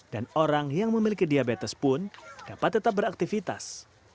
dan orang yang memiliki diabetes pun dapat tetap beraktivitas